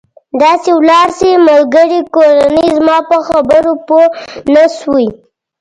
داسې ولاړ شئ، ملګري، کورنۍ، زما په خبرو پوه نه شوې.